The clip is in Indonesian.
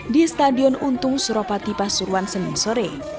di stadion untung suropati pasuruan senin sore